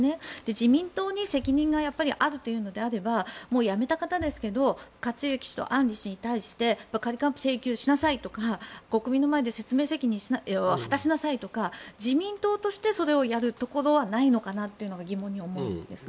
自民党に責任があるというのであれば辞めた方ですけど克行氏と案里氏に対して仮還付を請求しなさいとか国民の前で説明責任を果たしなさいとか自民党としてそれをやるところはないのかなというのが疑問に思うんですが。